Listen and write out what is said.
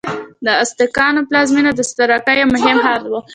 د ازتکانو پلازمینه د سترواکۍ یو مهم ښار و.